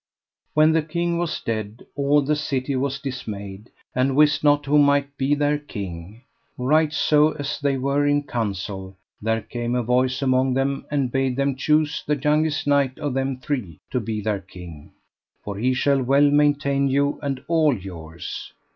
When the king was dead all the city was dismayed, and wist not who might be their king. Right so as they were in counsel there came a voice among them, and bade them choose the youngest knight of them three to be their king: For he shall well maintain you and all yours.